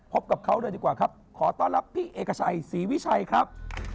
พบกับเขาเลยดีกว่าครับขอต้อนรับพี่เอกชัยศรีวิชัยครับ